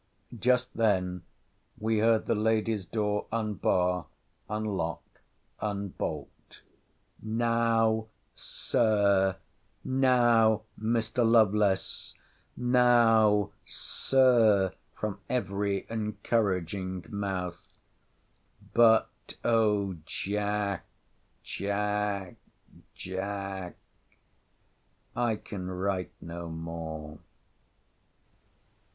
Just then we heard the lady's door, unbar, unlock, unbolt—— Now, Sir! Now, Mr. Lovelace! Now, Sir! from every encouraging mouth!—— But, O Jack! Jack! Jack! I can write no more!